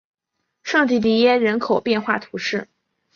圣迪迪耶人口变化图示